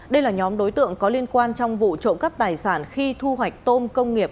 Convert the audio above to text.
đây là nhóm đối tượng có liên quan trong vụ trộm cắp tài sản khi thu hoạch tôm công nghiệp